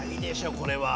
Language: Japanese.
これは。